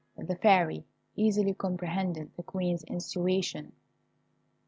The Fairy easily comprehended the Queen's insinuation.